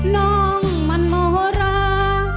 น้องมันโมรา